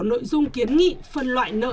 nội dung kiến nghị phân loại nợ